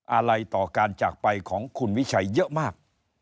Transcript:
อะไรต่อการจากไปของคุณวิชัยเยอะมาก